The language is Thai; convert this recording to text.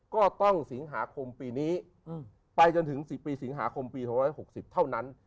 ก็ต้องสิงหาคมปีนี้ไปจนถึง๑๐ปีสิงหาคมปี๒๖๐เท่านั้น